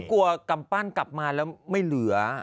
กลัวกำปั้นกลับมาแล้วไม่เหลือ